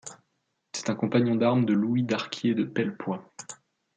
C'est un compagnon d'armes de Louis Darquier de Pellepoix.